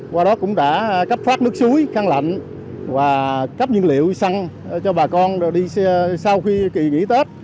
qua đó cũng đã cấp phát nước suối khăn lạnh và cấp nhiên liệu xăng cho bà con đi sau khi kỳ nghỉ tết